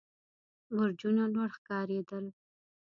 برجونه لوړ ښکارېدل.